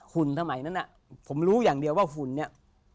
หุ่นทำไมนั้นน่ะผมรู้อย่างเดียวว่าหุ่นเนี่ย